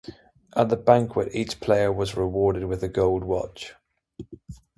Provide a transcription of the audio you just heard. At the banquet, each player was rewarded with a gold watch.